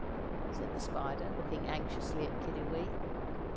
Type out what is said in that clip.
said the Spider, looking anxiously at Kiddiwee.